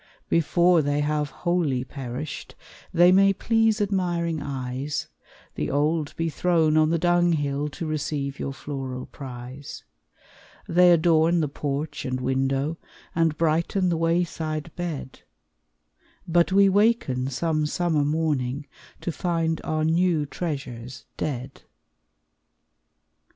Before they have wholly perished They may please admiring eyes, The old be thrown on the dunghill, To receive your floral prize; They adorn the porch and window, And brighten the wayside bed, But we waken some summer morning To find our new treasures dead.